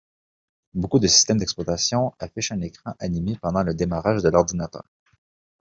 Beaucoup de systèmes d'exploitation affichent un écran animé pendant le démarrage de l'ordinateur.